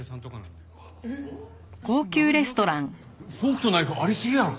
フォークとナイフありすぎやろ。